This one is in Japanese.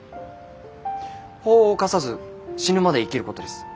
法を犯さず死ぬまで生きることです。